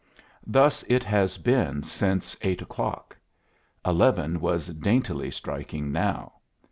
Thus it has been since eight o'clock. Eleven was daintily striking now.